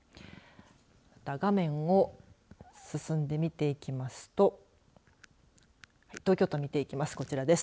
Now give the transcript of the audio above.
また、画面を進んで見ていきますと東京都を見ていきます。